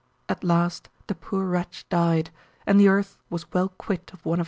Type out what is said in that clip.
At last the poor wretch died, and the earth was well quit of one of its torments.